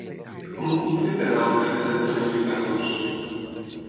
Com ho puc fer per anar al carrer d'Antonio Ricardos?